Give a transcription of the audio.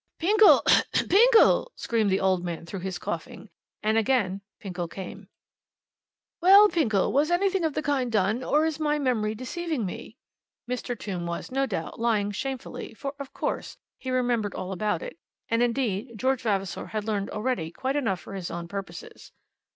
"Pinkle, Pinkle!" screamed the old man through his coughing; and again Pinkle came. "Well, Pinkle, was anything of the kind done, or is my memory deceiving me?" Mr. Tombe was, no doubt, lying shamefully, for, of course, he remembered all about it; and, indeed, George Vavasor had learned already quite enough for his own purposes.